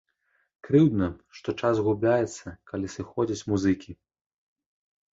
Крыўдна, што час губляецца, калі сыходзяць музыкі.